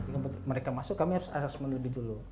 penghuni harus mengakses lebih dulu